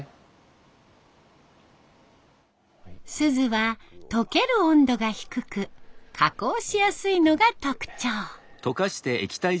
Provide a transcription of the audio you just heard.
錫は溶ける温度が低く加工しやすいのが特徴。